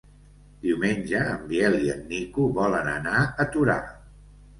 Diumenge en Biel i en Nico volen anar a Torà.